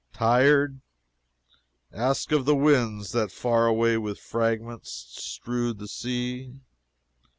Tired? Ask of the winds that far away with fragments strewed the sea."